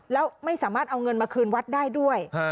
แล้วไม่สามารถเอาเงินมาคืนวัดได้ด้วย